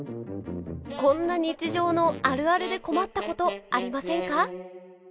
こんな日常のあるあるで困ったことありませんか？